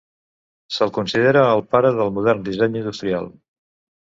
Se'l considera el pare del modern disseny industrial.